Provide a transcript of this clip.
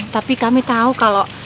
tapi kami tahu kalau